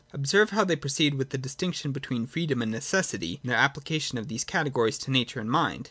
Observe how they proceed with the distinction between freedom and necessity, in their application of these cate gories to Nature and Mind.